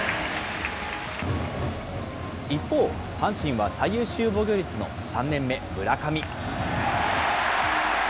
一方、阪神は最優秀防御率の３年目、村上。